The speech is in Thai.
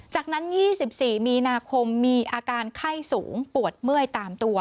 จากนั้น๒๔มีนาคมมีอาการไข้สูงปวดเมื่อยตามตัว